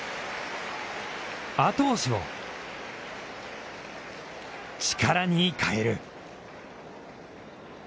後押しを、力にかえる。